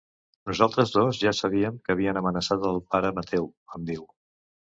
Nosaltres dos ja sabíem que havien amenaçat el pare Mateu —em diu—.